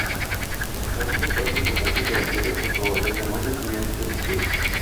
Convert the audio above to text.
Casper pasa por muchas aventuras junto a los demás estudiantes de la escuela.